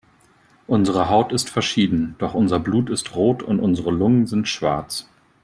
Unsere Haut ist verschieden, doch unser Blut ist rot und unsere Lungen sind schwarz.